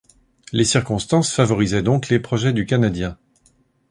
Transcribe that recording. Les circonstances favorisaient donc les projets du Canadien.